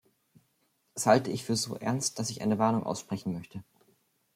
Das halte ich für so ernst, dass ich eine Warnung aussprechen möchte.